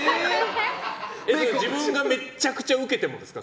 自分がめちゃくちゃウケてもですか？